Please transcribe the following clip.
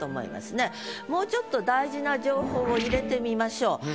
もうちょっと大事な情報を入れてみましょう。